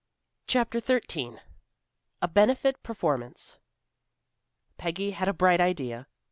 CHAPTER XIII A BENEFIT PERFORMANCE Peggy had a bright idea.